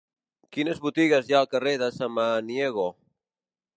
Quines botigues hi ha al carrer de Samaniego?